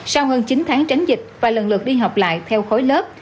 sau hơn chín tháng tránh dịch và lần lượt đi học lại theo khối lớp